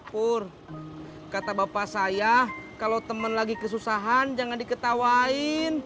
pur kata bapak saya kalau teman lagi kesusahan jangan diketawain